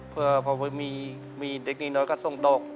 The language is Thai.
เพื่อพอมีเด็กน้อยก็ส่งตก